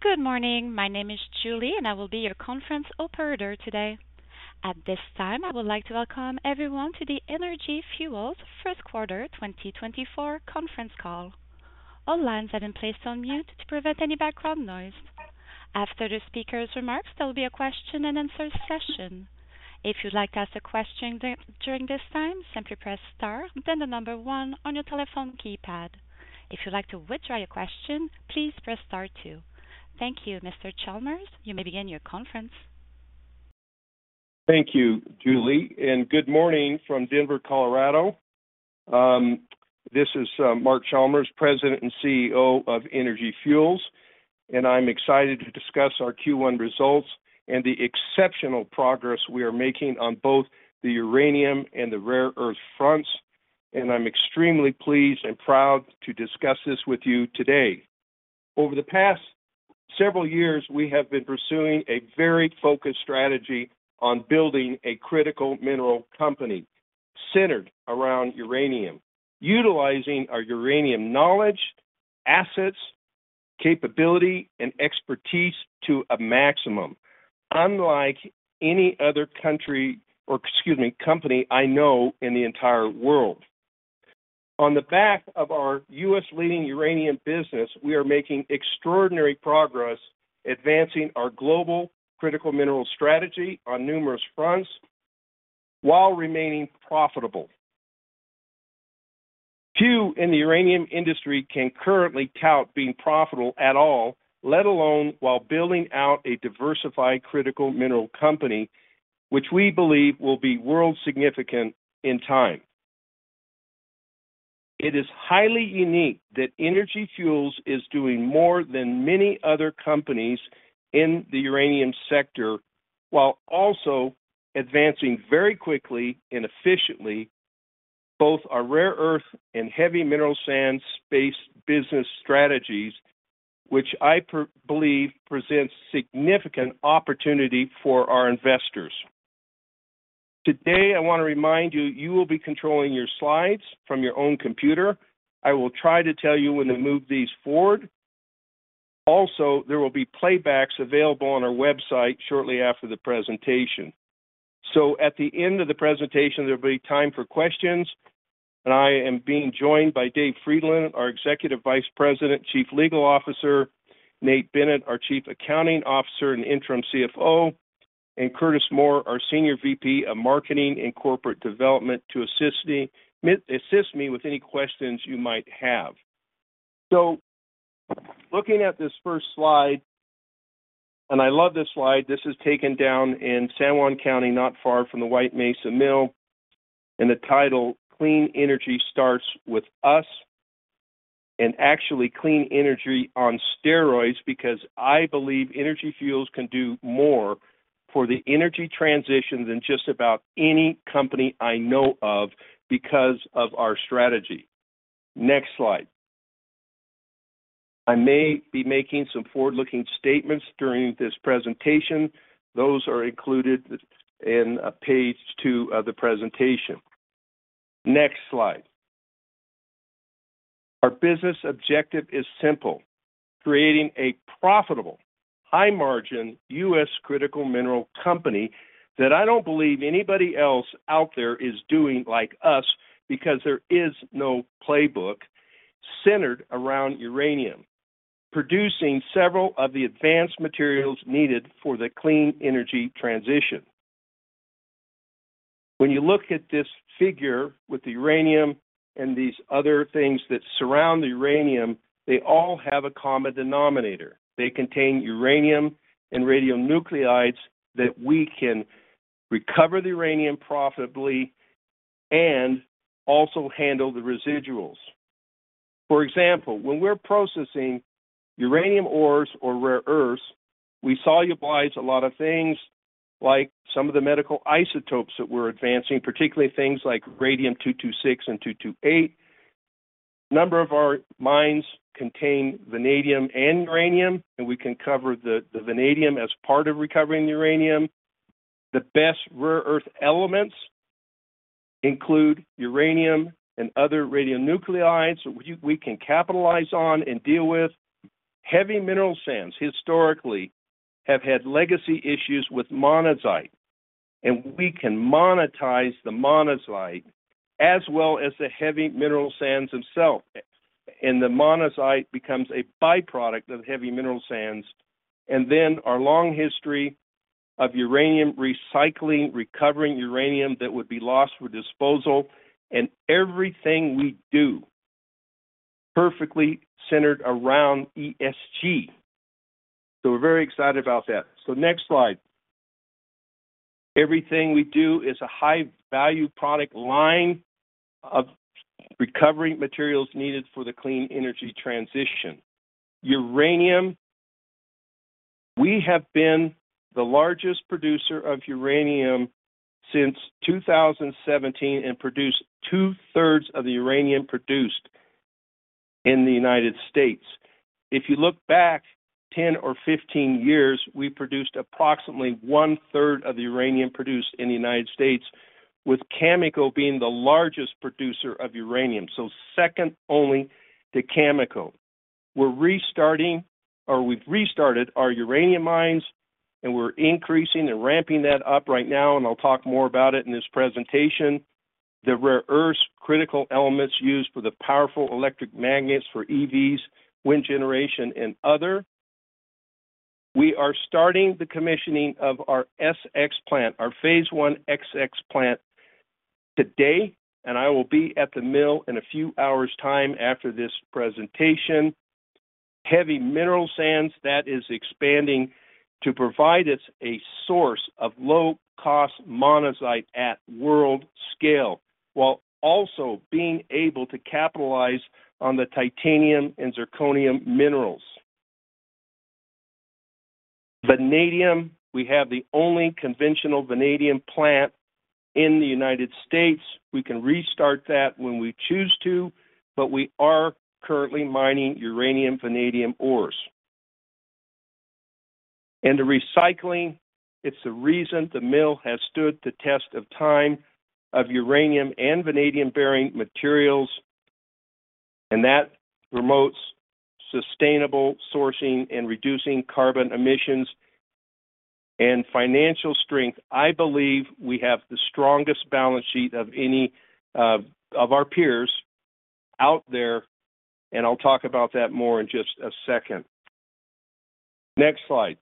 Good morning. My name is Julie, and I will be your conference operator today. At this time, I would like to welcome everyone to the Energy Fuels first quarter 2024 conference call. All lines have been placed on mute to prevent any background noise. After the speaker's remarks, there will be a question-and-answer session. If you'd like to ask a question during this time, simply press Star, then the number 1 on your telephone keypad. If you'd like to withdraw your question, please press Star 2. Thank you, Mr. Chalmers. You may begin your conference. Thank you, Julie, and good morning from Denver, Colorado. This is Mark Chalmers, President and CEO of Energy Fuels, and I'm excited to discuss our Q1 results and the exceptional progress we are making on both the uranium and the rare earth fronts. I'm extremely pleased and proud to discuss this with you today. Over the past several years, we have been pursuing a very focused strategy on building a critical mineral company centered around uranium, utilizing our uranium knowledge, assets, capability, and expertise to a maximum, unlike any other country, or excuse me, company I know in the entire world. On the back of our U.S.-leading uranium business, we are making extraordinary progress advancing our global critical mineral strategy on numerous fronts while remaining profitable. Few in the uranium industry can currently tout being profitable at all, let alone while building out a diversified critical mineral company, which we believe will be world significant in time. It is highly unique that Energy Fuels is doing more than many other companies in the uranium sector, while also advancing very quickly and efficiently both our rare earth and heavy mineral sands space business strategies, which I believe presents significant opportunity for our investors. Today, I wanna remind you, you will be controlling your slides from your own computer. I will try to tell you when to move these forward. Also, there will be playbacks available on our website shortly after the presentation. At the end of the presentation, there will be time for questions, and I am being joined by David Frydenlund, our Executive Vice President, Chief Legal Officer, Nate Bennett, our Chief Accounting Officer and Interim CFO, and Curtis Moore, our Senior VP of Marketing and Corporate Development, to assist me, assist me with any questions you might have. Looking at this first slide, and I love this slide. This is taken down in San Juan County, not far from the White Mesa Mill, and the title, Clean Energy Starts With Us. Actually, clean energy on steroids because I believe Energy Fuels can do more for the energy transition than just about any company I know of because of our strategy. Next slide. I may be making some forward-looking statements during this presentation. Those are included in page two of the presentation. Next slide. Our business objective is simple: creating a profitable, high-margin U.S. critical mineral company that I don't believe anybody else out there is doing like us because there is no playbook centered around uranium, producing several of the advanced materials needed for the clean energy transition. When you look at this figure with the uranium and these other things that surround the uranium, they all have a common denominator. They contain uranium and radionuclides that we can recover the uranium profitably and also handle the residuals. For example, when we're processing uranium ores or rare earths, we solubilize a lot of things, like some of the medical isotopes that we're advancing, particularly things like radium-226 and 228. A number of our mines contain vanadium and uranium, and we can cover the vanadium as part of recovering uranium. The best rare earth elements include uranium and other radionuclides we can capitalize on and deal with. Heavy mineral sands historically have had legacy issues with monazite, and we can monetize the monazite as well as the heavy mineral sands themselves, and the monazite becomes a byproduct of heavy mineral sands. Our long history of uranium recycling, recovering uranium that would be lost for disposal, and everything we do is perfectly centered around ESG. So we're very excited about that. So next slide. Everything we do is a high-value product line of recovering materials needed for the clean energy transition. Uranium, we have been the largest producer of uranium since 2017 and produced two-thirds of the uranium produced in the United States. If you look back 10 or 15 years, we produced approximately one-third of the uranium produced in the United States.... With Cameco being the largest producer of uranium, so second only to Cameco. We're restarting or we've restarted our uranium mines, and we're increasing and ramping that up right now, and I'll talk more about it in this presentation. The rare earths, critical elements used for the powerful electric magnets for EVs, wind generation, and other. We are starting the commissioning of our SX plant, our phase one SX plant today, and I will be at the mill in a few hours time after this presentation. Heavy mineral sands, that is expanding to provide us a source of low-cost monazite at world scale, while also being able to capitalize on the titanium and zirconium minerals. Vanadium, we have the only conventional vanadium plant in the United States. We can restart that when we choose to, but we are currently mining uranium-vanadium ores. The recycling, it's the reason the mill has stood the test of time of uranium and vanadium-bearing materials, and that promotes sustainable sourcing and reducing carbon emissions and financial strength. I believe we have the strongest balance sheet of any, of our peers out there, and I'll talk about that more in just a second. Next slide.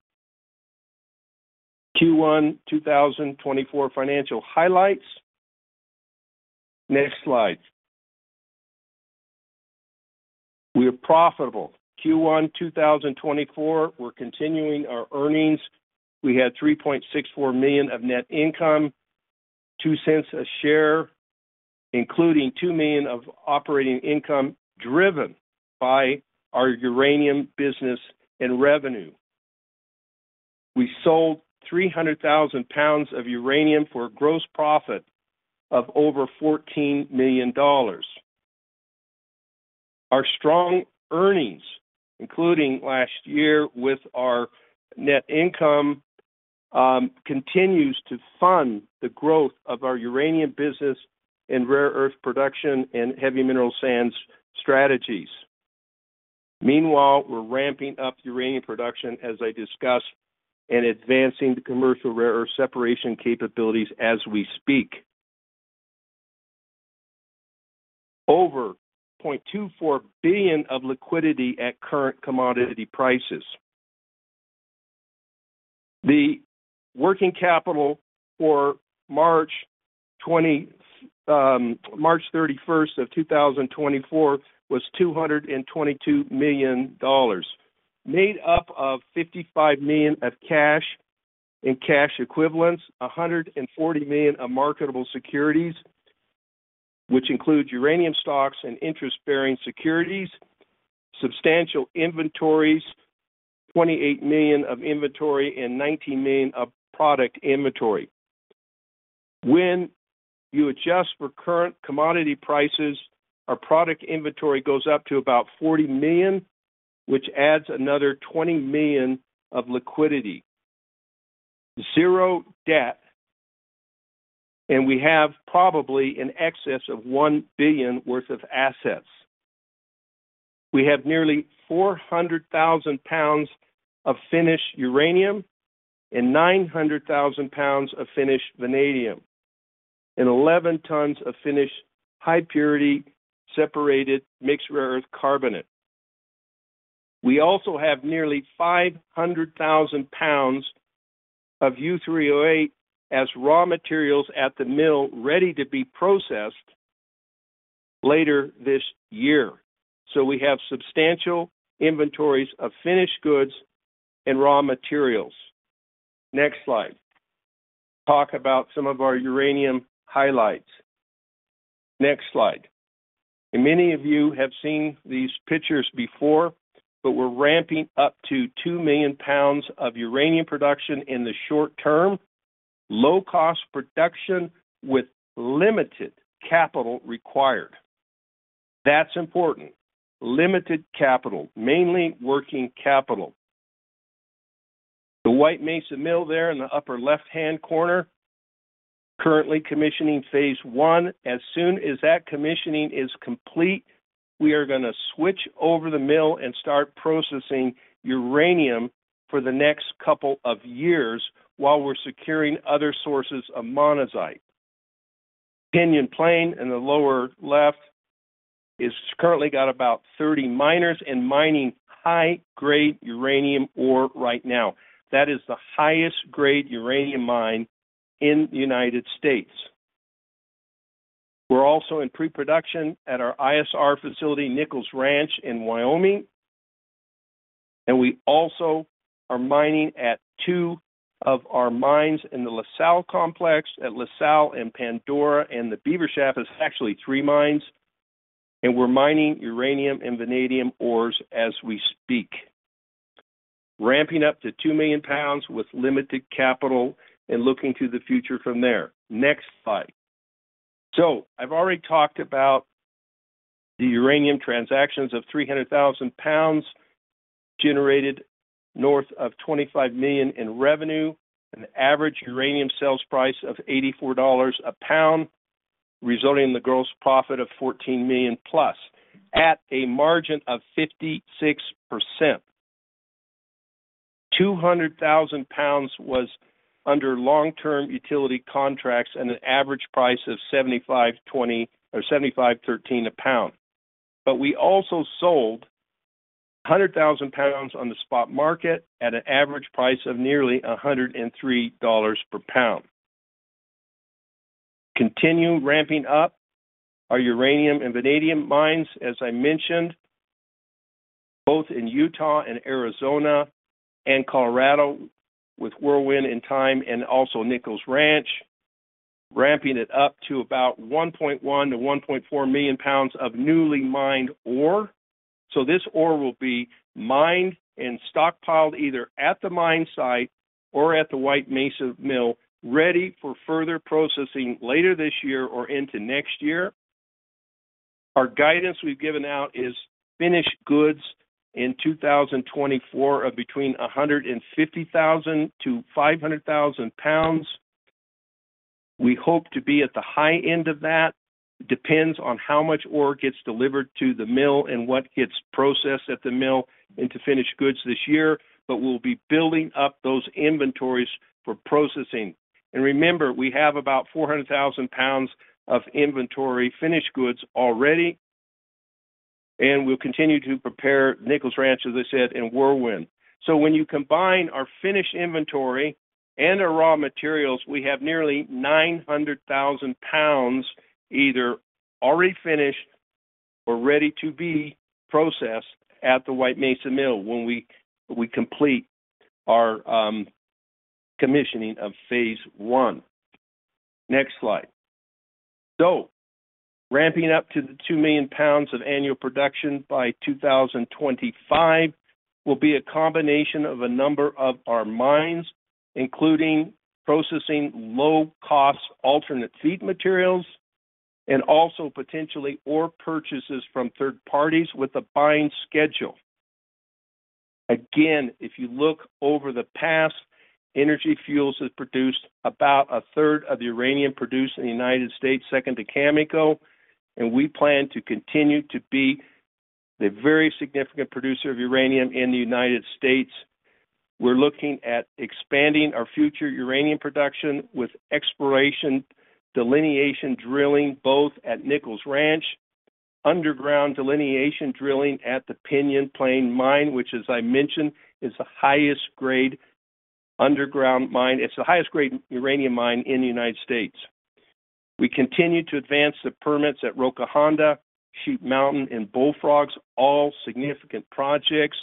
Q1 2024 financial highlights. Next slide. We are profitable. Q1 2024, we're continuing our earnings. We had $3.64 million of net income, $0.02 a share, including $2 million of operating income driven by our uranium business and revenue. We sold 300,000 pounds of uranium for a gross profit of over $14 million. Our strong earnings, including last year with our net income, continues to fund the growth of our uranium business and rare earth production and heavy mineral sands strategies. Meanwhile, we're ramping up uranium production, as I discussed, and advancing the commercial rare earth separation capabilities as we speak. Over $0.24 billion of liquidity at current commodity prices. The working capital for March 31st of 2024 was $222 million, made up of $55 million of cash and cash equivalents, $140 million of marketable securities, which include uranium stocks and interest-bearing securities, substantial inventories, $28 million of inventory, and $19 million of product inventory. When you adjust for current commodity prices, our product inventory goes up to about $40 million, which adds another $20 million of liquidity. $0 debt, and we have probably in excess of $1 billion worth of assets. We have nearly 400,000 pounds of finished uranium and 900,000 pounds of finished vanadium and 11 tons of finished high-purity, separated mixed rare earth carbonate. We also have nearly 500,000 pounds of U3O8 as raw materials at the mill, ready to be processed later this year. So we have substantial inventories of finished goods and raw materials. Next slide. Talk about some of our uranium highlights. Next slide. Many of you have seen these pictures before, but we're ramping up to 2 million pounds of uranium production in the short term. Low-cost production with limited capital required. That's important. Limited capital, mainly working capital. The White Mesa Mill there in the upper left-hand corner, currently commissioning phase one. As soon as that commissioning is complete, we are gonna switch over the mill and start processing uranium for the next couple of years while we're securing other sources of monazite. Pinyon Plain in the lower left is currently got about 30 miners and mining high-grade uranium ore right now. That is the highest grade uranium mine in the United States. We're also in pre-production at our ISR facility, Nichols Ranch, in Wyoming, and we also are mining at two of our mines in the La Sal Complex, at La Sal and Pandora, and the Beaver Mine. It's actually three mines, and we're mining uranium and vanadium ores as we speak. Ramping up to 2 million pounds with limited capital and looking to the future from there. Next slide. So I've already talked about-... The uranium transactions of 300,000 pounds generated north of $25 million in revenue, an average uranium sales price of $84 a pound, resulting in the gross profit of $14 million+ at a margin of 56%. 200,000 pounds was under long-term utility contracts and an average price of $75.20 or $75.13 a pound. But we also sold 100,000 pounds on the spot market at an average price of nearly $103 per pound. Continue ramping up our uranium and vanadium mines, as I mentioned, both in Utah and Arizona and Colorado, with Whirlwind in time and also Nichols Ranch, ramping it up to about 1.1-1.4 million pounds of newly mined ore. So this ore will be mined and stockpiled either at the mine site or at the White Mesa Mill, ready for further processing later this year or into next year. Our guidance we've given out is finished goods in 2024 of between 150,000 to 500,000 pounds. We hope to be at the high end of that. Depends on how much ore gets delivered to the mill and what gets processed at the mill into finished goods this year, but we'll be building up those inventories for processing. And remember, we have about 400,000 pounds of inventory finished goods already, and we'll continue to prepare Nichols Ranch, as I said, in Whirlwind. So when you combine our finished inventory and our raw materials, we have nearly 900,000 pounds either already finished or ready to be processed at the White Mesa Mill when we complete our commissioning of phase one. Next slide. So ramping up to the 2,000,000 pounds of annual production by 2025 will be a combination of a number of our mines, including processing low-cost alternate feed materials and also potentially ore purchases from third parties with a buying schedule. Again, if you look over the past, Energy Fuels has produced about a third of the uranium produced in the United States, second to Cameco, and we plan to continue to be the very significant producer of uranium in the United States. We're looking at expanding our future uranium production with exploration, delineation drilling, both at Nichols Ranch, underground delineation drilling at the Pinyon Plain Mine, which, as I mentioned, is the highest grade underground mine. It's the highest grade uranium mine in the United States. We continue to advance the permits at Roca Honda, Sheep Mountain, and Bullfrog. All significant projects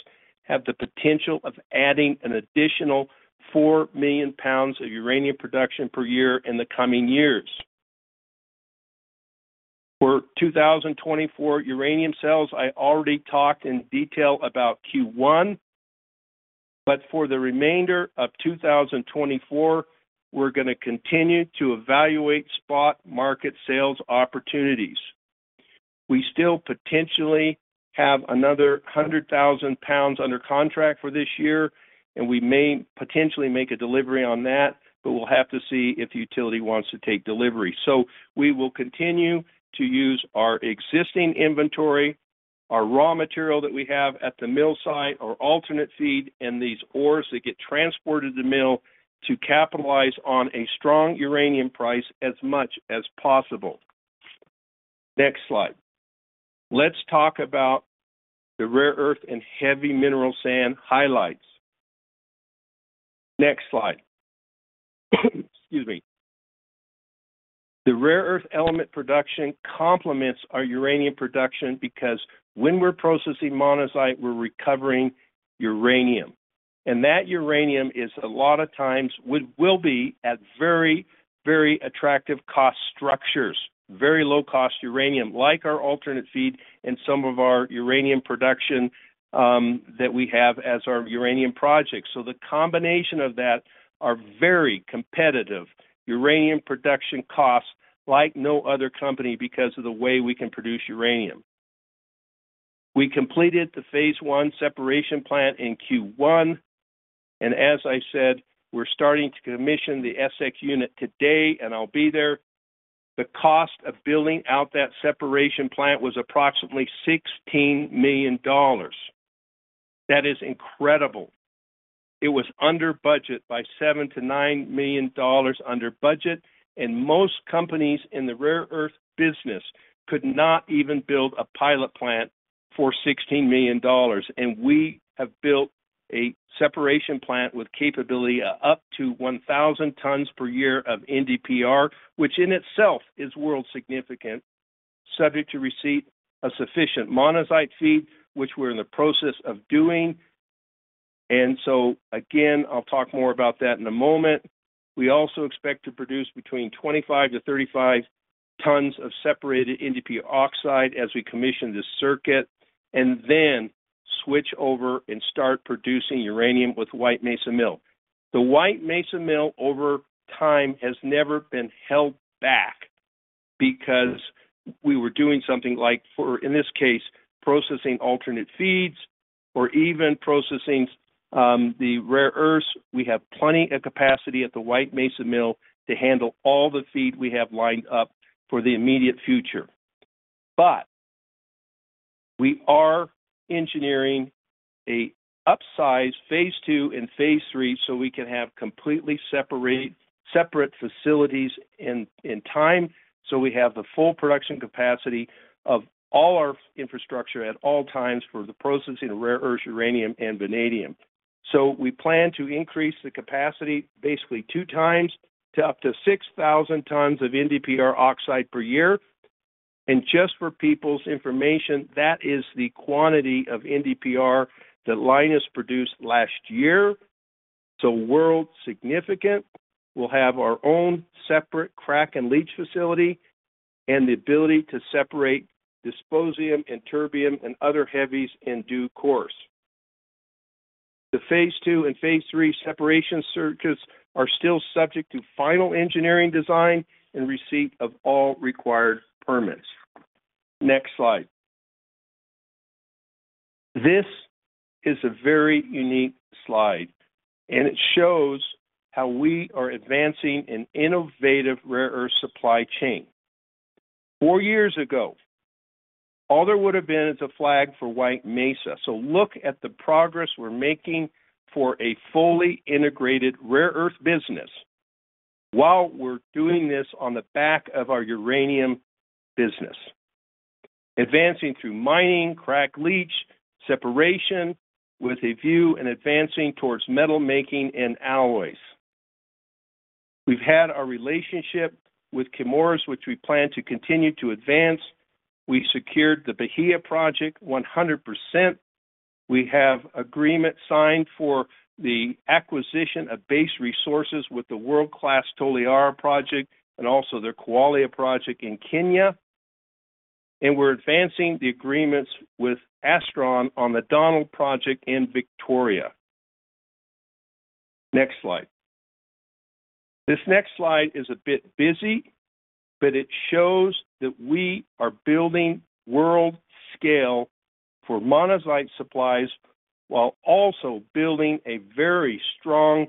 have the potential of adding an additional 4 million pounds of uranium production per year in the coming years. For 2024 uranium sales, I already talked in detail about Q1, but for the remainder of 2024, we're gonna continue to evaluate spot market sales opportunities. We still potentially have another 100,000 pounds under contract for this year, and we may potentially make a delivery on that, but we'll have to see if the utility wants to take delivery. So we will continue to use our existing inventory, our raw material that we have at the mill site, our alternate feed, and these ores that get transported to the mill to capitalize on a strong uranium price as much as possible. Next slide. Let's talk about the rare earth and heavy mineral sand highlights. Next slide. Excuse me. The rare earth element production complements our uranium production because when we're processing monazite, we're recovering uranium, and that uranium is a lot of times will be at very, very attractive cost structures, very low-cost uranium, like our alternate feed and some of our uranium production that we have as our uranium project. So the combination of that are very competitive uranium production costs like no other company because of the way we can produce uranium. We completed the Phase 1 separation plant in Q1, and as I said, we're starting to commission the SX unit today, and I'll be there. The cost of building out that separation plant was approximately $16 million. That is incredible. It was under budget by $7 million-$9 million under budget, and most companies in the rare earth business could not even build a pilot plant for $16 million. We have built a separation plant with capability of up to 1,000 tons per year of NdPr, which in itself is world significant, subject to receipt of sufficient monazite feed, which we're in the process of doing. So again, I'll talk more about that in a moment. We also expect to produce between 25-35 tons of separated NdPr oxide as we commission this circuit, and then-... Switch over and start producing uranium with White Mesa Mill. The White Mesa Mill, over time, has never been held back because we were doing something like for, in this case, processing alternate feeds or even processing the rare earths. We have plenty of capacity at the White Mesa Mill to handle all the feed we have lined up for the immediate future. But we are engineering a upsized phase two and phase three, so we can have completely separate, separate facilities in, in time, so we have the full production capacity of all our infrastructure at all times for the processing of rare earths, uranium, and vanadium. So we plan to increase the capacity basically two times to up to 6,000 tons of NdPr oxide per year. Just for people's information, that is the quantity of NdPr that Lynas produced last year, so world significant. We'll have our own separate Crack and Leach facility and the ability to separate dysprosium and terbium and other heavies in due course. The phase two and phase three separation circuits are still subject to final engineering design and receipt of all required permits. Next slide. This is a very unique slide, and it shows how we are advancing an innovative rare earth supply chain. Four years ago, all there would have been is a flag for White Mesa, so look at the progress we're making for a fully integrated rare earth business while we're doing this on the back of our uranium business. Advancing through mining, crack leach, separation, with a view and advancing towards metal making and alloys. We've had a relationship with Chemours, which we plan to continue to advance. We secured the Bahia Project 100%. We have agreement signed for the acquisition of Base Resources with the world-class Toliara Project and also their Kwale Project in Kenya. We're advancing the agreements with Astron on the Donald Project in Victoria. Next slide. This next slide is a bit busy, but it shows that we are building world scale for monazite supplies while also building a very strong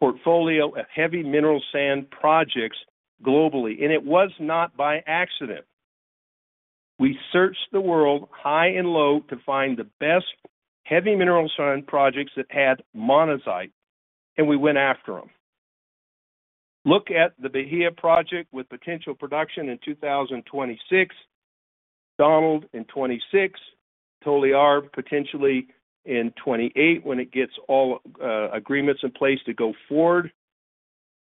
portfolio of heavy mineral sand projects globally, and it was not by accident. We searched the world high and low to find the best heavy mineral sand projects that had monazite, and we went after them. Look at the Bahia Project with potential production in 2026, Donald in 2026, Toliara potentially in 2028 when it gets all agreements in place to go forward.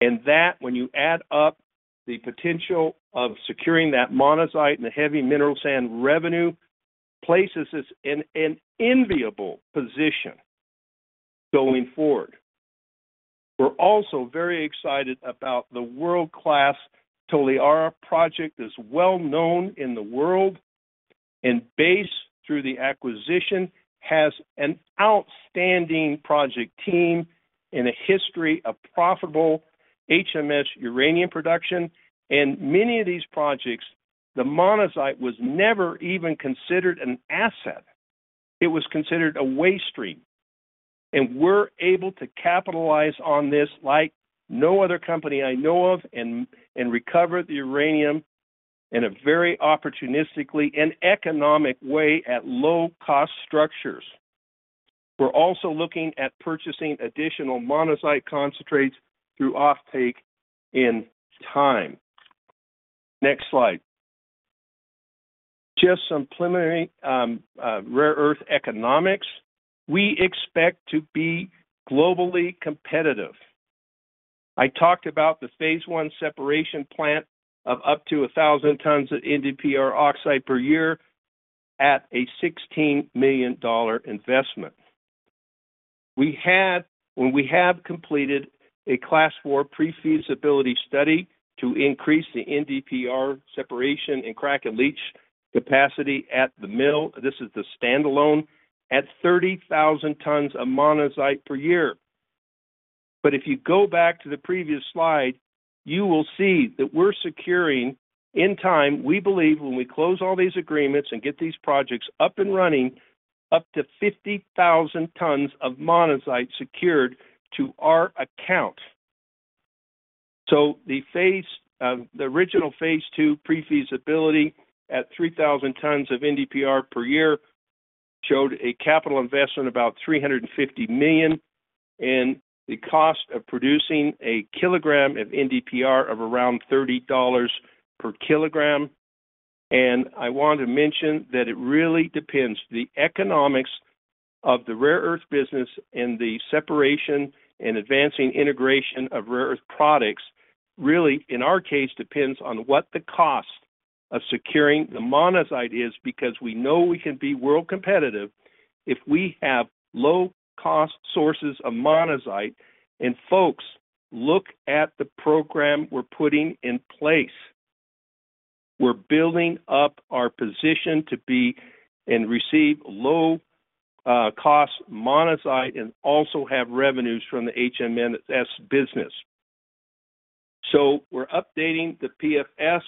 And that, when you add up the potential of securing that monazite and the heavy mineral sand revenue, places us in an enviable position going forward. We're also very excited about the world-class Toliara project, is well known in the world, and Base, through the acquisition, has an outstanding project team and a history of profitable HMS uranium production. And many of these projects, the monazite was never even considered an asset. It was considered a waste stream, and we're able to capitalize on this like no other company I know of and, and recover the uranium in a very opportunistically and economic way at low cost structures. We're also looking at purchasing additional monazite concentrates through offtake in time. Next slide. Just some preliminary, rare earth economics. We expect to be globally competitive. I talked about the phase one separation plant of up to 1,000 tons of NDPR oxide per year at a $16 million investment. When we have completed a Class 4 Pre-Feasibility Study to increase the NDPR separation and Crack and Leach capacity at the mill, this is the standalone, at 30,000 tons of monazite per year. But if you go back to the previous slide, you will see that we're securing, in time, we believe, when we close all these agreements and get these projects up and running, up to 50,000 tons of monazite secured to our account. So the phase, the original phase two pre-feasibility at 3,000 tons of NDPR per year showed a capital investment about $350 million, and the cost of producing a kilogram of NDPR of around $30 per kilogram. I want to mention that it really depends. The economics of the rare earth business and the separation and advancing integration of rare earth products, really, in our case, depends on what the cost of securing the monazite is, because we know we can be world competitive if we have low-cost sources of monazite. And folks, look at the program we're putting in place. We're building up our position to be and receive low-cost monazite and also have revenues from the HMS business. So we're updating the PFS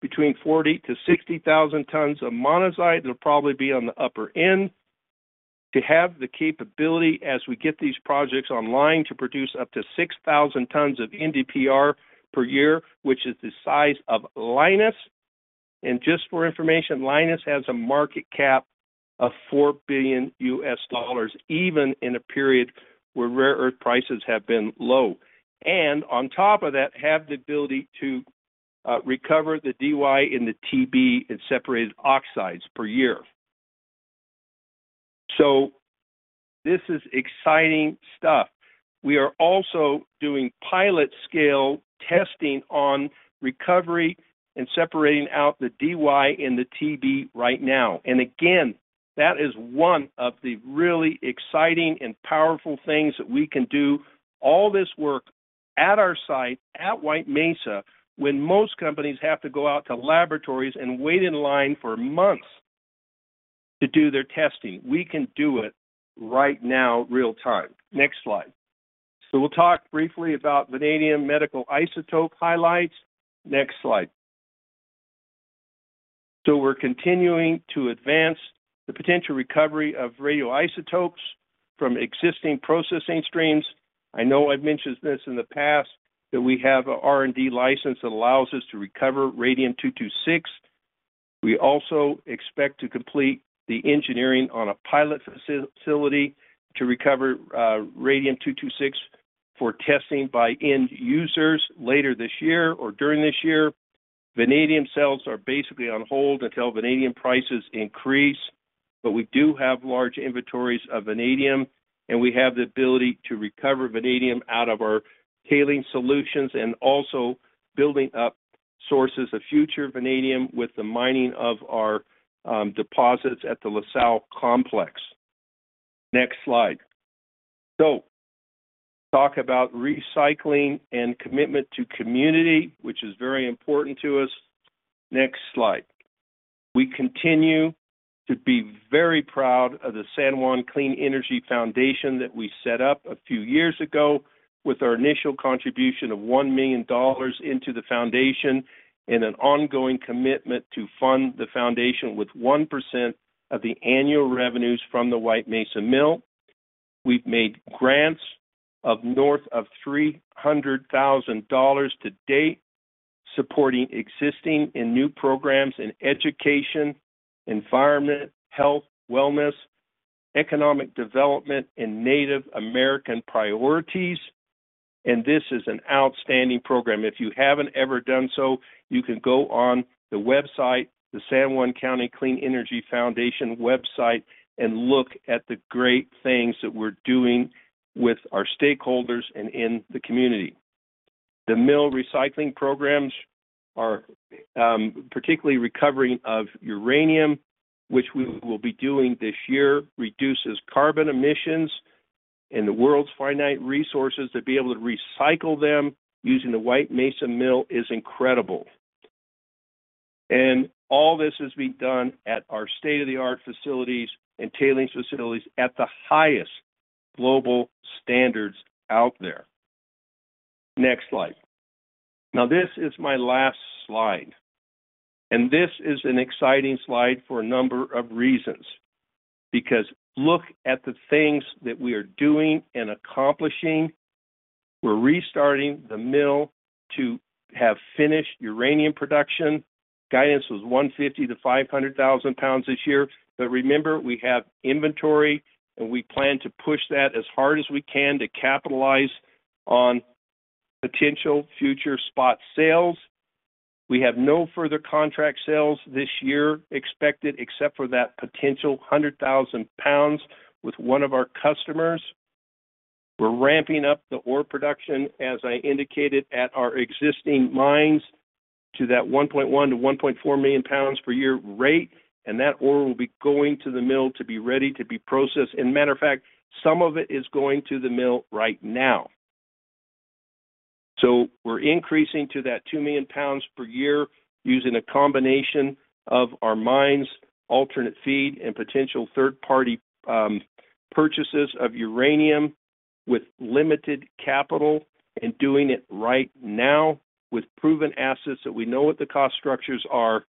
between 40,000-60,000 tons of monazite, it'll probably be on the upper end, to have the capability, as we get these projects online, to produce up to 6,000 tons of NdPr per year, which is the size of Lynas. Just for information, Lynas has a market cap of $4 billion, even in a period where rare earth prices have been low. And on top of that, have the ability to recover the Dy and the Tb in separated oxides per year. So this is exciting stuff. We are also doing pilot scale testing on recovery and separating out the Dy and the TB right now. And again, that is one of the really exciting and powerful things that we can do all this work at our site, at White Mesa, when most companies have to go out to laboratories and wait in line for months to do their testing. We can do it right now, real time. Next slide. So we'll talk briefly about vanadium medical isotope highlights. Next slide. To we're continuing to advance the potential recovery of radioisotopes from existing processing streams. I know I've mentioned this in the past, that we have a R&D license that allows us to recover Radium-226. We also expect to complete the engineering on a pilot facility to recover Radium-226 for testing by end users later this year or during this year. Vanadium sales are basically on hold until vanadium prices increase, but we do have large inventories of vanadium, and we have the ability to recover vanadium out of our tailing solutions and also building up sources of future vanadium with the mining of our deposits at the La Sal Complex. Next slide. So talk about recycling and commitment to community, which is very important to us. Next slide. We continue to be very proud of the San Juan County Clean Energy Foundation that we set up a few years ago with our initial contribution of $1 million into the foundation and an ongoing commitment to fund the foundation with 1% of the annual revenues from the White Mesa Mill. We've made grants of north of $300,000 to date, supporting existing and new programs in education, environment, health, wellness, economic development, and Native American priorities. This is an outstanding program. If you haven't ever done so, you can go on the website, the San Juan County Clean Energy Foundation website, and look at the great things that we're doing with our stakeholders and in the community. The mill recycling programs are particularly recovery of uranium, which we will be doing this year, reduces carbon emissions and the world's finite resources. To be able to recycle them using the White Mesa Mill is incredible. All this is being done at our state-of-the-art facilities and tailing facilities at the highest global standards out there. Next slide. Now, this is my last slide, and this is an exciting slide for a number of reasons, because look at the things that we are doing and accomplishing. We're restarting the mill to have finished uranium production. Guidance was 150,000-500,000 pounds this year, but remember, we have inventory, and we plan to push that as hard as we can to capitalize on potential future spot sales. We have no further contract sales this year expected, except for that potential 100,000 pounds with one of our customers. We're ramping up the ore production, as I indicated, at our existing mines to that 1.1-1.4 million pounds per year rate, and that ore will be going to the mill to be ready to be processed. And matter of fact, some of it is going to the mill right now. So we're increasing to that 2 million pounds per year using a combination of our mines, alternate feed, and potential third-party purchases of uranium with limited capital, and doing it right now with proven assets that we know what the cost structures are,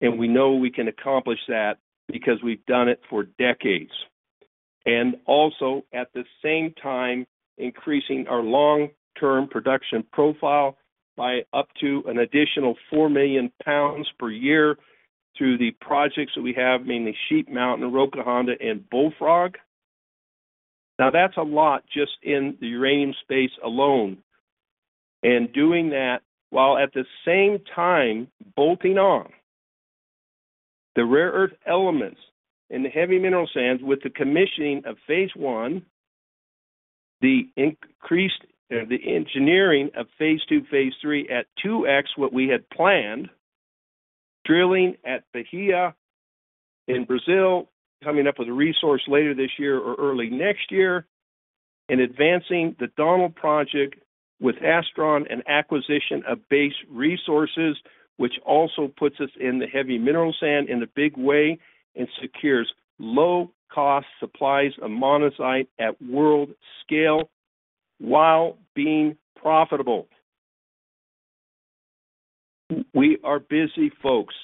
and we know we can accomplish that because we've done it for decades. And also, at the same time, increasing our long-term production profile by up to an additional 4 million pounds per year through the projects that we have, mainly Sheep Mountain, Roca Honda, and Bullfrog. Now, that's a lot just in the uranium space alone, and doing that while at the same time bolting on the rare earth elements and the heavy mineral sands with the commissioning of phase one, the increased engineering of phase two, phase three at 2x what we had planned, drilling at Bahia in Brazil, coming up with a resource later this year or early next year, and advancing the Donald Project with Astron and acquisition of Base Resources, which also puts us in the heavy mineral sand in a big way and secures low-cost supplies of monazite at world scale while being profitable. We are busy folks,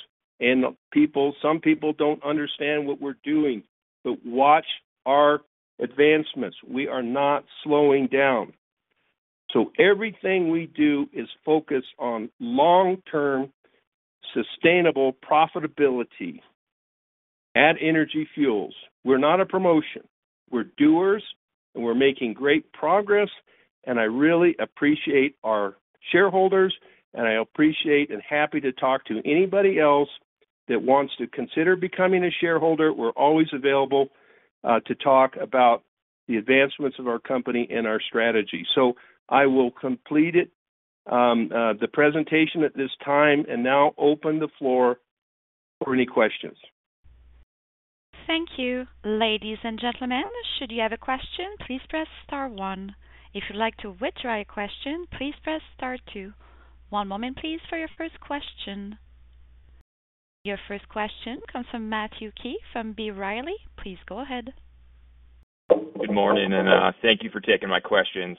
and people, some people don't understand what we're doing, but watch our advancements. We are not slowing down. So everything we do is focused on long-term, sustainable profitability at Energy Fuels. We're not a promotion, we're doers, and we're making great progress, and I really appreciate our shareholders, and I appreciate and happy to talk to anybody else that wants to consider becoming a shareholder. We're always available, to talk about the advancements of our company and our strategy. So I will complete it, the presentation at this time and now open the floor for any questions. Thank you. Ladies and gentlemen, should you have a question. please press star one. If you'd like to withdraw your question, please press star two. One moment, please, for your first question. Your first question comes from Matthew Key from B. Riley. Please go ahead. Good morning, and, thank you for taking my questions.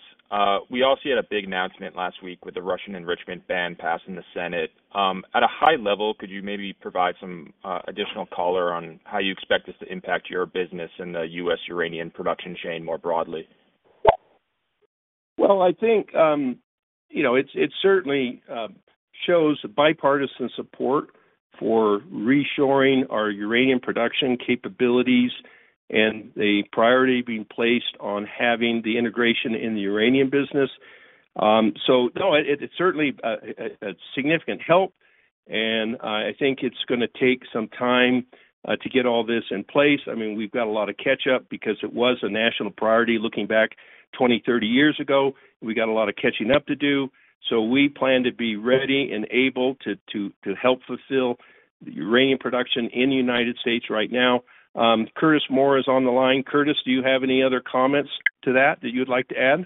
We all see you had a big announcement last week with the Russian enrichment ban passed in the Senate. At a high level, could you maybe provide some additional color on how you expect this to impact your business in the U.S. uranium production chain more broadly? Well, I think, you know, it certainly shows bipartisan support for reshoring our uranium production capabilities and a priority being placed on having the integration in the uranium business. So no, it's certainly a significant help, and I think it's gonna take some time to get all this in place. I mean, we've got a lot of catch up because it was a national priority looking back 20, 30 years ago. We got a lot of catching up to do, so we plan to be ready and able to help fulfill the uranium production in the United States right now. Curtis Moore is on the line. Curtis, do you have any other comments to that you'd like to add?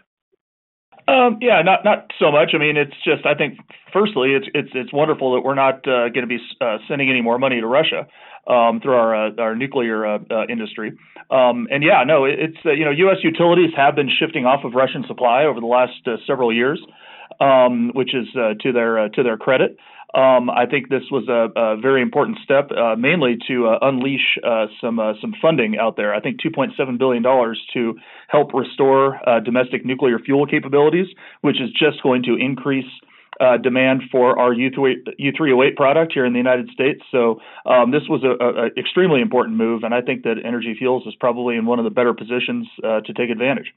Yeah, not so much. I mean, it's just... I think firstly, it's wonderful that we're not gonna be sending any more money to Russia through our nuclear industry. And yeah, no, it's, you know, U.S. utilities have been shifting off of Russian supply over the last several years, which is to their credit. I think this was a very important step, mainly to unleash some funding out there. I think $2.7 billion to help restore domestic nuclear fuel capabilities, which is just going to increase demand for our U3O8 product here in the United States. This was a extremely important move, and I think that Energy Fuels is probably in one of the better positions to take advantage.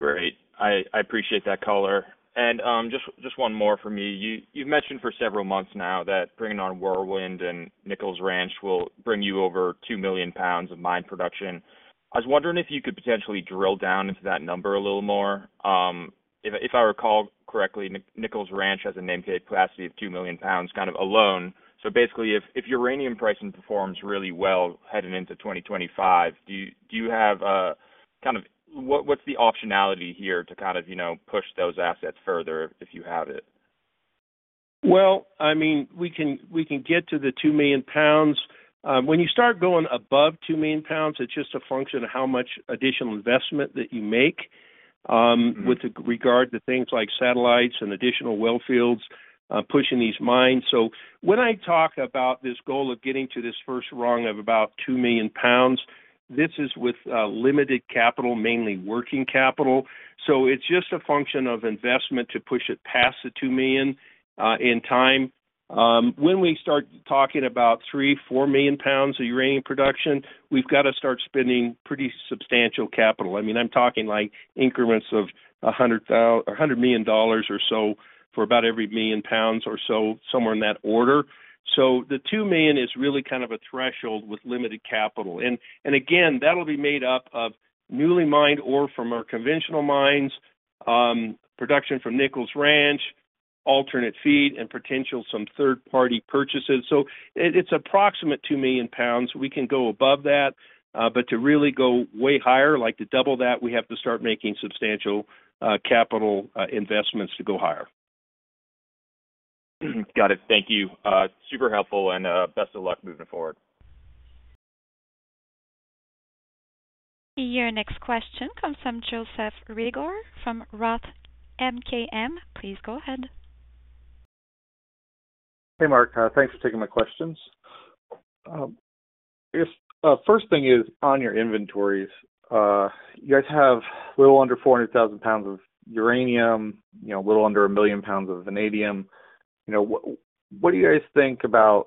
Great. I appreciate that color. And just one more for me. You've mentioned for several months now that bringing on Whirlwind and Nichols Ranch will bring you over 2 million pounds of mine production. I was wondering if you could potentially drill down into that number a little more. If I recall correctly, Nichols Ranch has a named capacity of 2 million pounds, kind of alone. So basically, if uranium pricing performs really well heading into 2025, do you have a kind of... What's the optionality here to kind of, you know, push those assets further if you have it? Well, I mean, we can, we can get to the 2 million pounds. When you start going above 2 million pounds, it's just a function of how much additional investment that you make. Mm-hmm. With regard to things like satellites and additional wellfields, pushing these mines. So when I talk about this goal of getting to this first rung of about 2 million pounds, this is with, limited capital, mainly working capital. So it's just a function of investment to push it past the 2 million, in time. When we start talking about 3-4 million pounds of uranium production, we've got to start spending pretty substantial capital. I mean, I'm talking like increments of $100 million or so for about every million pounds or so, somewhere in that order. So the 2 million is really kind of a threshold with limited capital. And again, that'll be made up of newly mined ore from our conventional mines, production from Nichols Ranch, alternate feed and potential some third-party purchases. So it's approximately 2 million pounds. We can go above that, but to really go way higher, like to double that, we have to start making substantial capital investments to go higher. Got it. Thank you. Super helpful, and best of luck moving forward. Your next question comes from Joe Reagor from Roth MKM. Please go ahead. Hey, Mark. Thanks for taking my questions. I guess, first thing is on your inventories. You guys have a little under 400,000 pounds of uranium, you know, a little under 1 million pounds of vanadium. You know, what do you guys think about,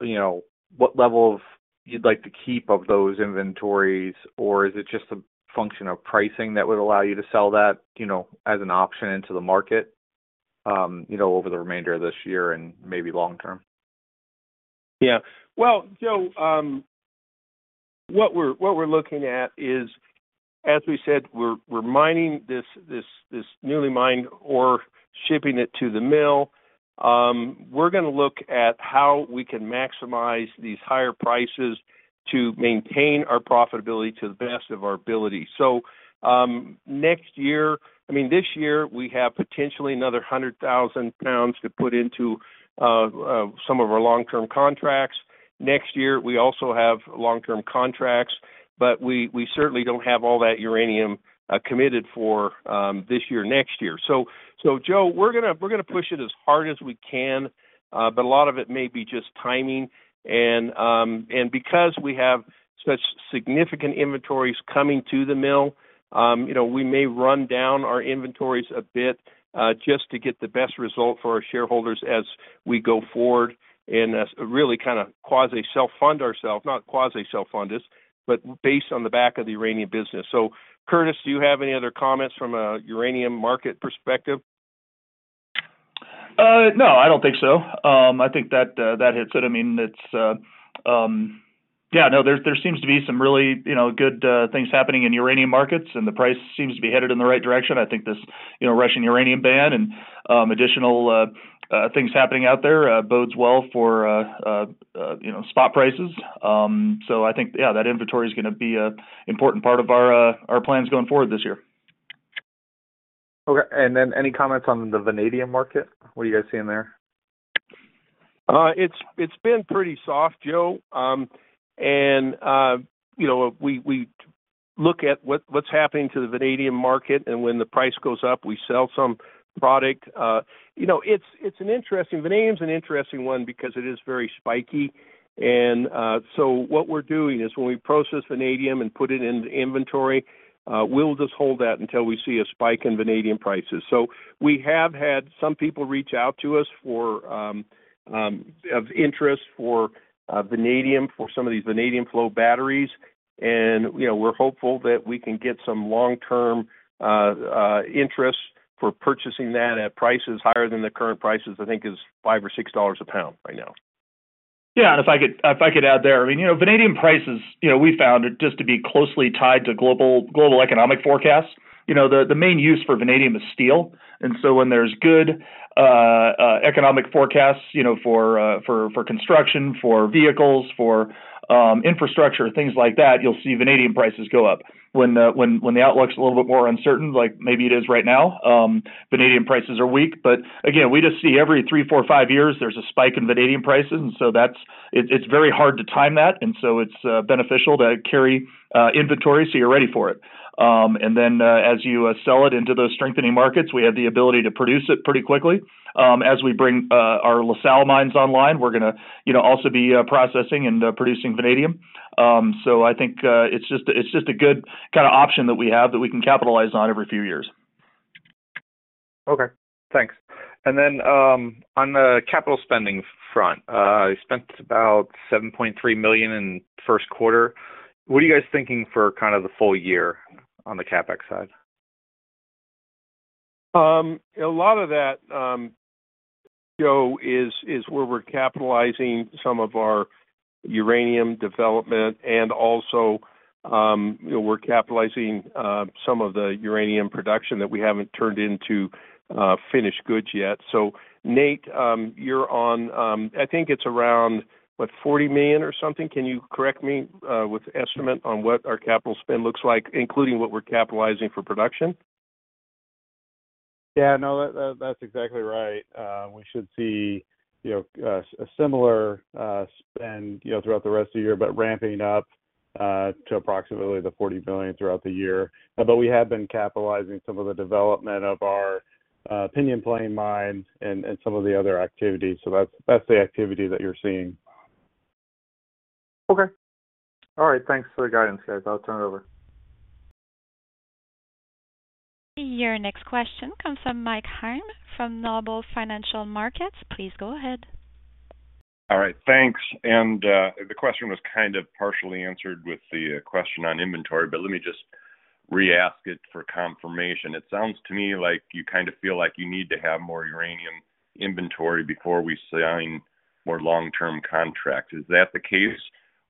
you know, what level of you'd like to keep of those inventories? Or is it just a function of pricing that would allow you to sell that, you know, as an option into the market, you know, over the remainder of this year and maybe long term? Yeah. Well, Joe, what we're looking at is, as we said, we're mining this newly mined ore, shipping it to the mill. We're gonna look at how we can maximize these higher prices to maintain our profitability to the best of our ability. So, next year—I mean, this year, we have potentially another 100,000 pounds to put into some of our long-term contracts. Next year, we also have long-term contracts, but we certainly don't have all that uranium committed for this year, next year. So, Joe, we're gonna push it as hard as we can, but a lot of it may be just timing. Because we have such significant inventories coming to the mill, you know, we may run down our inventories a bit, just to get the best result for our shareholders as we go forward, and really kind of quasi self-fund ourselves, not quasi self-fund us, but based on the back of the uranium business. So, Curtis, do you have any other comments from a uranium market perspective? No, I don't think so. I think that that hits it. I mean, it's... Yeah, no, there seems to be some really, you know, good things happening in uranium markets, and the price seems to be headed in the right direction. I think this, you know, Russian uranium ban and additional things happening out there bodes well for, you know, spot prices. So I think, yeah, that inventory is gonna be a important part of our plans going forward this year. Okay, and then any comments on the vanadium market? What are you guys seeing there? It's been pretty soft, Joe. And you know, we look at what's happening to the vanadium market, and when the price goes up, we sell some product. You know, it's an interesting... Vanadium is an interesting one because it is very spiky. So what we're doing is when we process vanadium and put it into inventory, we'll just hold that until we see a spike in vanadium prices. So we have had some people reach out to us for, of interest for, vanadium, for some of these vanadium flow batteries. And you know, we're hopeful that we can get some long-term interest for purchasing that at prices higher than the current prices, I think is $5 or $6 a pound right now. Yeah, and if I could add there, I mean, you know, vanadium prices, you know, we found it just to be closely tied to global economic forecasts. You know, the main use for vanadium is steel, and so when there's good economic forecasts, you know, for construction, for vehicles, for infrastructure, things like that, you'll see vanadium prices go up. When the outlook's a little bit more uncertain, like maybe it is right now, vanadium prices are weak. But again, we just see every 3-5 years, there's a spike in vanadium prices, and so it's very hard to time that, and so it's beneficial to carry inventory, so you're ready for it. And then, as you sell it into those strengthening markets, we have the ability to produce it pretty quickly. As we bring our La Sal mines online, we're gonna, you know, also be processing and producing vanadium. So I think it's just a, it's just a good kind of option that we have that we can capitalize on every few years. Okay, thanks. And then, on the capital spending front, you spent about $7.3 million in the first quarter. What are you guys thinking for kind of the full year on the CapEx side? A lot of that, Joe, is where we're capitalizing some of our uranium development and also, you know, we're capitalizing some of the uranium production that we haven't turned into finished goods yet. So, Nate, you're on. I think it's around, what, $40 million or something? Can you correct me with the estimate on what our capital spend looks like, including what we're capitalizing for production? Yeah, no, that, that's exactly right. We should see, you know, a similar spend, you know, throughout the rest of the year, but ramping up to approximately $40 million throughout the year. But we have been capitalizing some of the development of our Pinyon Plain mines and some of the other activities. So that's the activity that you're seeing. Okay. All right. Thanks for the guidance, guys. I'll turn it over. Your next question comes from Mike Heim from Noble Capital Markets. Please go ahead. All right, thanks. And, the question was kind of partially answered with the question on inventory, but let me just re-ask it for confirmation. It sounds to me like you kind of feel like you need to have more uranium inventory before we sign more long-term contracts. Is that the case,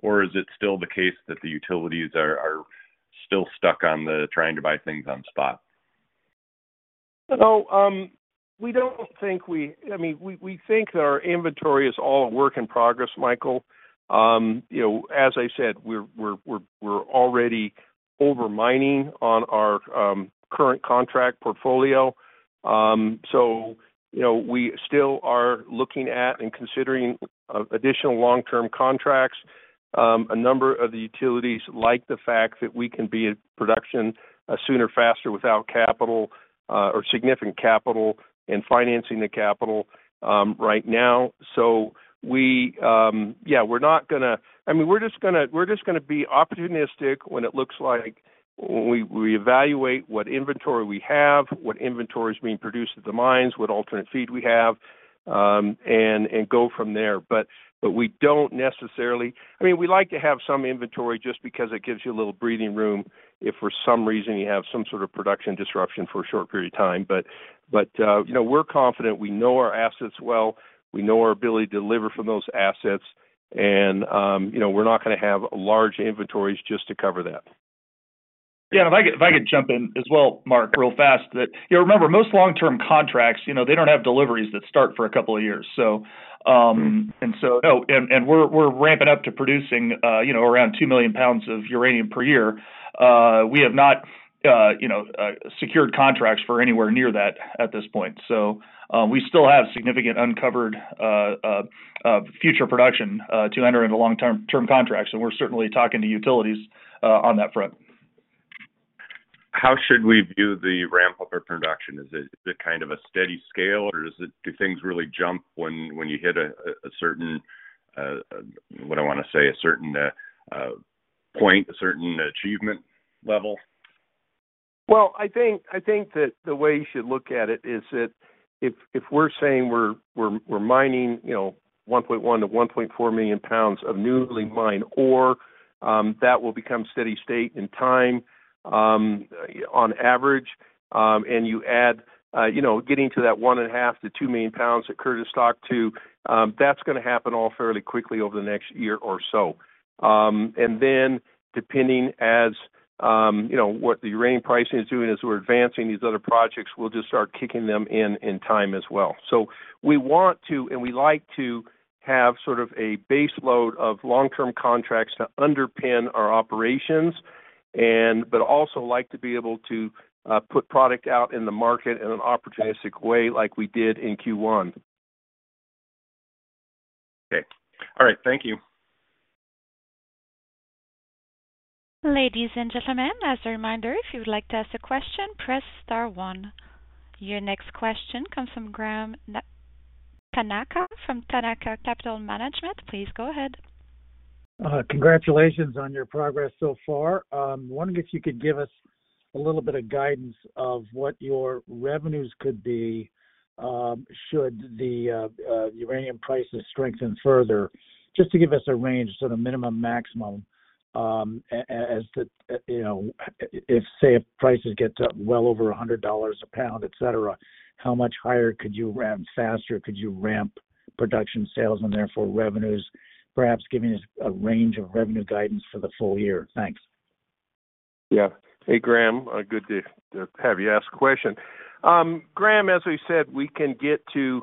or is it still the case that the utilities are still stuck on trying to buy things on spot? No, we don't think we-- I mean, we think our inventory is all a work in progress, Michael. You know, as I said, we're already overmining on our current contract portfolio. So you know, we still are looking at and considering additional long-term contracts. A number of the utilities like the fact that we can be in production sooner, faster without capital or significant capital and financing the capital right now. So we... Yeah, we're not gonna-- I mean, we're just gonna be opportunistic when it looks like we evaluate what inventory we have, what inventory is being produced at the mines, what alternate feed we have, and go from there. But we don't necessarily, I mean, we like to have some inventory just because it gives you a little breathing room if for some reason you have some sort of production disruption for a short period of time. But, you know, we're confident. We know our assets well. We know our ability to deliver from those assets, and, you know, we're not gonna have large inventories just to cover that. ... Yeah, if I could, if I could jump in as well, Mark, real fast, that, you know, remember, most long-term contracts, you know, they don't have deliveries that start for a couple of years. So, and so, and we're ramping up to producing, you know, around 2 million pounds of uranium per year. We have not, you know, secured contracts for anywhere near that at this point. So, we still have significant uncovered future production to enter into long-term term contracts, and we're certainly talking to utilities on that front. How should we view the ramp-up of production? Is it kind of a steady scale, or do things really jump when you hit a certain point, a certain achievement level? Well, I think that the way you should look at it is that if we're saying we're mining, you know, 1.1-1.4 million pounds of newly mined ore, that will become steady state in time, on average. And you add, you know, getting to that 1.5-2 million pounds that Curtis talked to, that's gonna happen all fairly quickly over the next year or so. And then depending as, you know, what the uranium pricing is doing as we're advancing these other projects, we'll just start kicking them in in time as well. So we want to, and we like to have sort of a base load of long-term contracts to underpin our operations and, but also like to be able to put product out in the market in an opportunistic way, like we did in Q1. Okay. All right. Thank you. Ladies and gentlemen, as a reminder, if you would like to ask a question, press star one. Your next question comes from Graham Tanaka from Tanaka Capital Management. Please go ahead. Congratulations on your progress so far. Wondering if you could give us a little bit of guidance of what your revenues could be, should the uranium prices strengthen further? Just to give us a range, so the minimum maximum, you know, say, if prices get up well over $100 a pound, et cetera, how much higher could you ramp faster? Could you ramp production sales and therefore revenues, perhaps giving us a range of revenue guidance for the full year? Thanks. Yeah. Hey, Graham, good to have you ask the question. Graham, as we said, we can get to,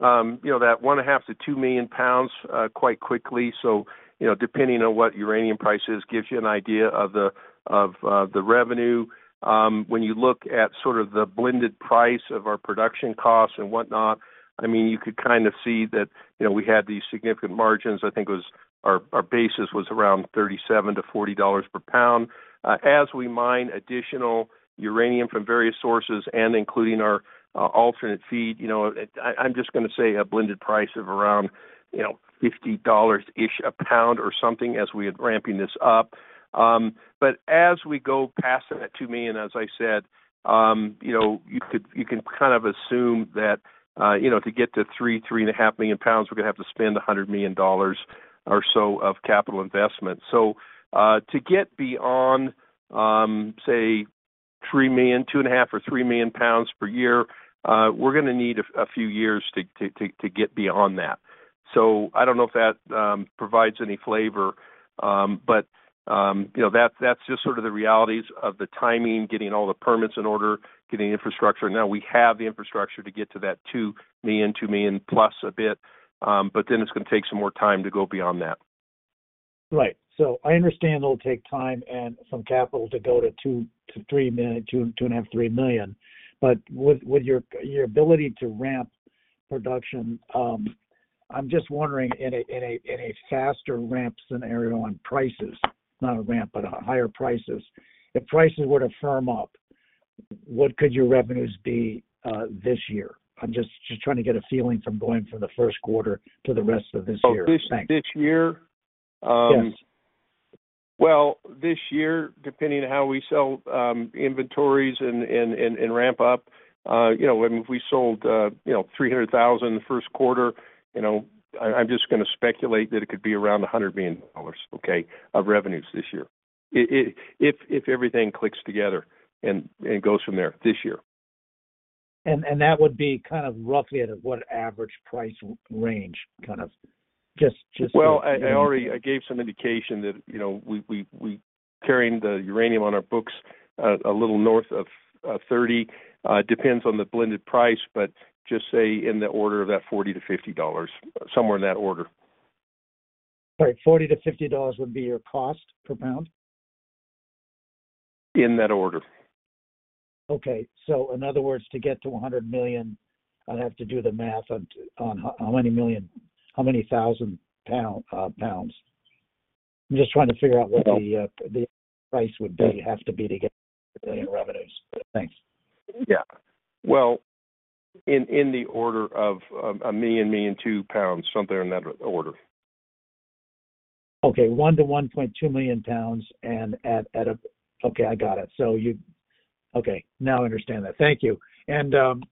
you know, that 1.5-2 million pounds, quite quickly. So, you know, depending on what uranium prices gives you an idea of the, of, the revenue, when you look at sort of the blended price of our production costs and whatnot, I mean, you could kind of see that, you know, we had these significant margins. I think it was our, our basis was around $37-$40 per pound. As we mine additional uranium from various sources and including our, alternate feed, you know, I, I'm just gonna say a blended price of around, you know, $50-ish a pound or something as we are ramping this up. But as we go past that 2 million, as I said, you know, you can kind of assume that, you know, to get to 3-3.5 million pounds, we're gonna have to spend $100 million or so of capital investment. So, to get beyond, say, 3 million, 2.5 or 3 million pounds per year, we're gonna need a few years to get beyond that. So I don't know if that provides any flavor, but, you know, that's just sort of the realities of the timing, getting all the permits in order, getting infrastructure. Now we have the infrastructure to get to that 2 million, 2 million plus a bit, but then it's gonna take some more time to go beyond that. Right. So I understand it'll take time and some capital to go to 2-3 million, 2, 2.5, 3 million. But with your ability to ramp production, I'm just wondering in a faster ramp scenario on prices, not a ramp, but on higher prices. If prices were to firm up, what could your revenues be this year? I'm just trying to get a feeling from going from the first quarter to the rest of this year. Oh, this, this year? Yes. Well, this year, depending on how we sell inventories and ramp up, you know, and we sold, you know, 300,000 in the first quarter, you know, I'm just gonna speculate that it could be around $100 million, okay, of revenues this year. If everything clicks together and goes from there this year. And that would be kind of roughly at what average price range, kind of just- Well, I already gave some indication that, you know, we carrying the uranium on our books, a little north of $30. It depends on the blended price, but just say in the order of that $40-$50, somewhere in that order. Right. $40-$50 would be your cost per pound? In that order. Okay. So in other words, to get to $100 million, I'd have to do the math on how many million—how many thousand-pound pounds. I'm just trying to figure out what the price would be, have to be to get $1 million revenues. Thanks. Yeah. Well, in the order of 1 million-1.2 million pounds, somewhere in that order. Okay, 1-1.2 million pounds. Okay, I got it. Okay, now I understand that. Thank you. And on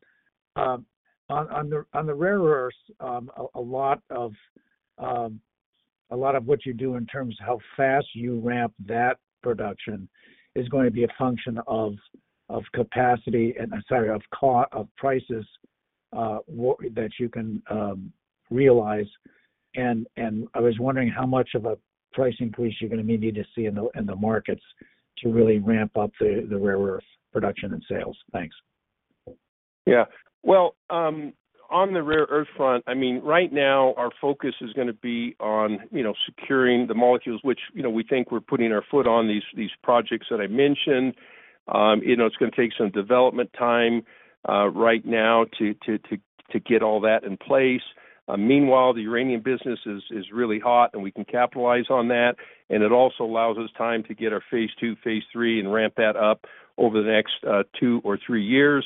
the rare earths, a lot of what you do in terms of how fast you ramp that production is going to be a function of capacity and, sorry, of the prices that you can realize. And I was wondering how much of a price increase you're going to need to see in the markets to really ramp up the rare earth production and sales? Thanks. Yeah. Well, on the rare earth front, I mean, right now our focus is going to be on, you know, securing the molecules, which, you know, we think we're putting our foot on these projects that I mentioned. It's going to take some development time right now to get all that in place. Meanwhile, the uranium business is really hot, and we can capitalize on that, and it also allows us time to get our phase two, phase three and ramp that up over the next two or three years.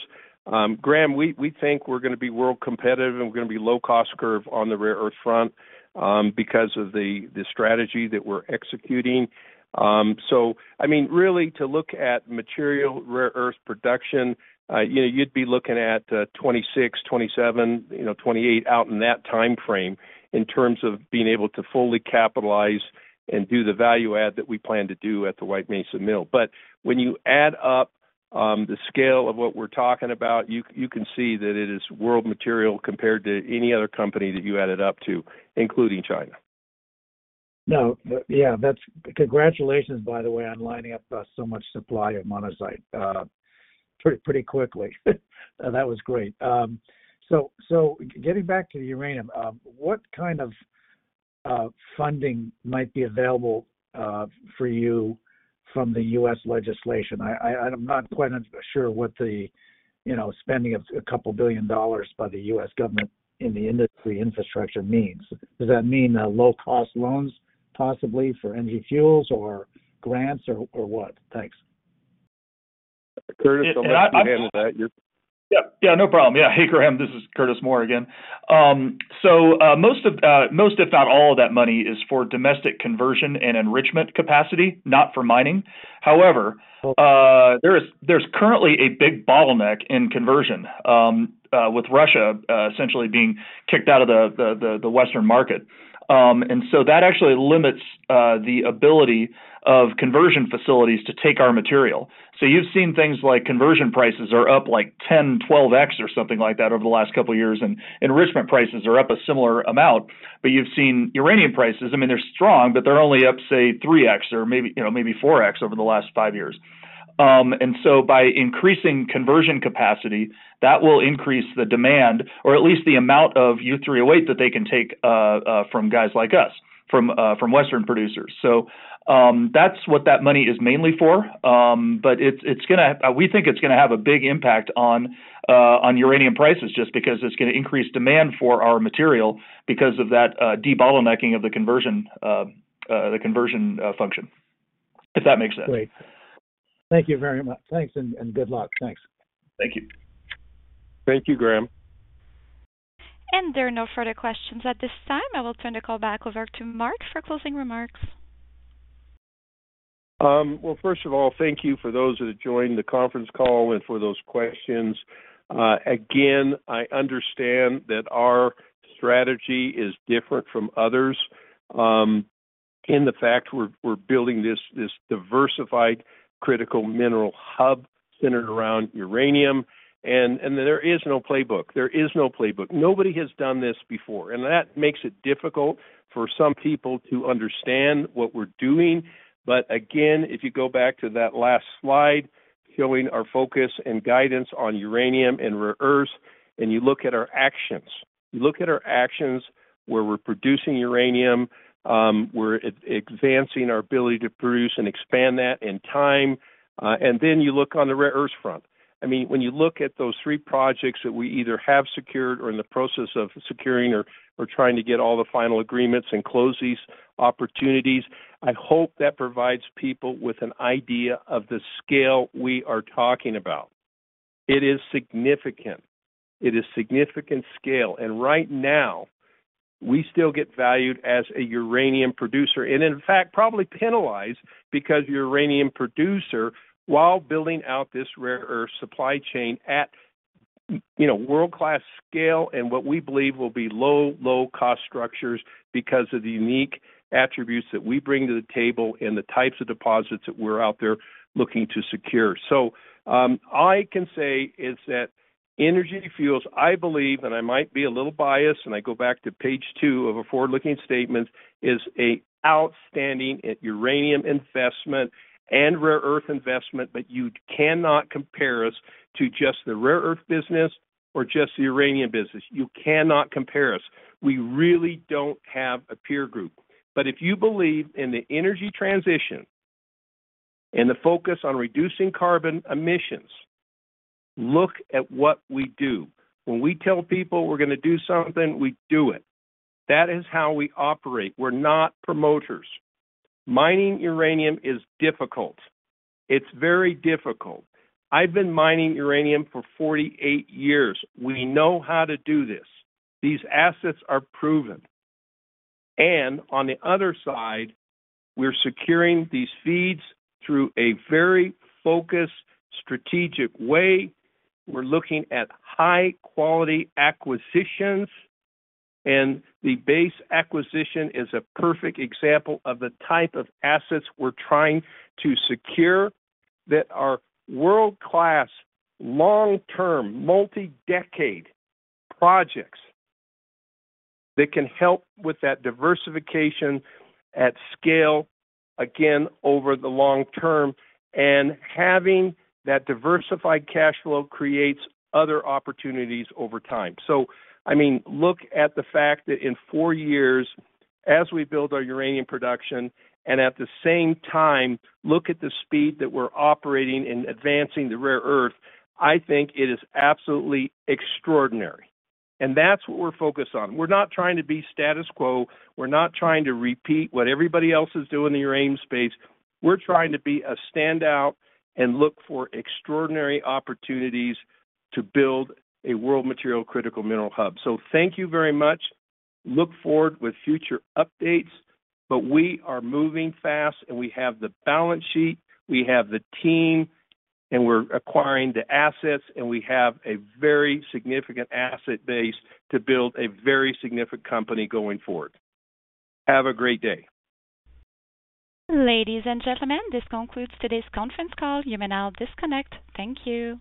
Graham, we think we're going to be world competitive and we're going to be low-cost curve on the rare earth front because of the strategy that we're executing. So I mean, really, to look at material rare earth production, you know, you'd be looking at 2026, 2027, you know, 2028, out in that timeframe in terms of being able to fully capitalize and do the value add that we plan to do at the White Mesa Mill. But when you add up the scale of what we're talking about, you can see that it is world material compared to any other company that you add it up to, including China. Now, yeah, that's... Congratulations, by the way, on lining up so much supply of monazite pretty, pretty quickly. That was great. So, so getting back to the uranium, what kind of funding might be available for you from the U.S. legislation? I, I'm not quite sure what the, you know, spending of $2 billion by the U.S. government in the industry infrastructure means. Does that mean low-cost loans, possibly for Energy Fuels or grants or what? Thanks. Curtis, I'll let you handle that. You're- Yeah, yeah, no problem. Yeah. Hey, Graham, this is Curtis Moore again. So, most, if not all, of that money is for domestic conversion and enrichment capacity, not for mining. However, there is-- there's currently a big bottleneck in conversion with Russia essentially being kicked out of the Western market. And so that actually limits the ability of conversion facilities to take our material. So you've seen things like conversion prices are up, like 10-12x or something like that over the last couple of years, and enrichment prices are up a similar amount. But you've seen uranium prices, I mean, they're strong, but they're only up, say, 3x or maybe, you know, maybe 4x over the last five years. And so by increasing conversion capacity, that will increase the demand or at least the amount of U3O8 that they can take from guys like us, from Western producers. So, that's what that money is mainly for. But it's, it's gonna—we think it's gonna have a big impact on uranium prices, just because it's gonna increase demand for our material because of that debottlenecking of the conversion function, if that makes sense. Great. Thank you very much. Thanks and good luck. Thanks. Thank you. Thank you, Graham. There are no further questions at this time. I will turn the call back over to Mark for closing remarks. Well, first of all, thank you for those that have joined the conference call and for those questions. Again, I understand that our strategy is different from others, in the fact we're building this diversified critical mineral hub centered around uranium, and there is no playbook. There is no playbook. Nobody has done this before, and that makes it difficult for some people to understand what we're doing. But again, if you go back to that last slide showing our focus and guidance on uranium and rare earths, and you look at our actions, you look at our actions where we're producing uranium, we're advancing our ability to produce and expand that in time. And then you look on the rare earth front. I mean, when you look at those three projects that we either have secured or in the process of securing or trying to get all the final agreements and close these opportunities, I hope that provides people with an idea of the scale we are talking about. It is significant. It is significant scale, and right now, we still get valued as a uranium producer, and in fact, probably penalized because uranium producer, while building out this rare earth supply chain at, you know, world-class scale and what we believe will be low, low-cost structures because of the unique attributes that we bring to the table and the types of deposits that we're out there looking to secure. So, I can say is that Energy Fuels, I believe, and I might be a little biased, and I go back to page two of a forward-looking statement, is an outstanding uranium investment and rare earth investment, but you cannot compare us to just the rare earth business or just the uranium business. You cannot compare us. We really don't have a peer group. But if you believe in the energy transition and the focus on reducing carbon emissions, look at what we do. When we tell people we're gonna do something, we do it. That is how we operate. We're not promoters. Mining uranium is difficult. It's very difficult. I've been mining uranium for 48 years. We know how to do this. These assets are proven, and on the other side, we're securing these feeds through a very focused, strategic way. We're looking at high-quality acquisitions, and the Base acquisition is a perfect example of the type of assets we're trying to secure that are world-class, long-term, multi-decade projects that can help with that diversification at scale, again, over the long term. And having that diversified cash flow creates other opportunities over time. So I mean, look at the fact that in 4 years, as we build our uranium production and at the same time look at the speed that we're operating and advancing the rare earth, I think it is absolutely extraordinary, and that's what we're focused on. We're not trying to be status quo. We're not trying to repeat what everybody else is doing in the uranium space. We're trying to be a standout and look for extraordinary opportunities to build a world material critical mineral hub. So thank you very much. Look forward with future updates, but we are moving fast, and we have the balance sheet, we have the team, and we're acquiring the assets, and we have a very significant asset base to build a very significant company going forward. Have a great day. Ladies and gentlemen, this concludes today's conference call. You may now disconnect. Thank you.